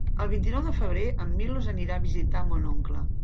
El vint-i-nou de febrer en Milos anirà a visitar mon oncle.